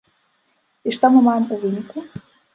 І што мы маем у выніку?